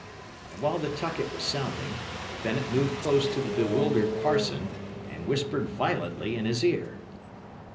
And while the tucket was sounding, Bennet moved close to the bewildered parson, and whispered violently in his ear.